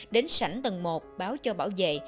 đến sảnh tầng một báo cho bảo vệ